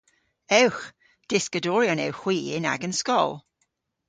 Ewgh. Dyskadoryon ewgh hwi yn agan skol.